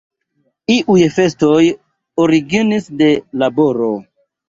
Iuj festoj originis de laboro.